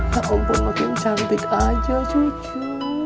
ya ampun makin cantik aja cucu